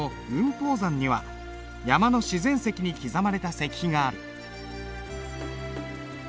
峰山には山の自然石に刻まれた石碑がある。